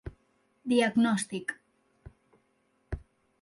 Diagnòstic: